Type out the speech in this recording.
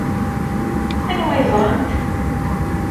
Anwa ay ẓrant?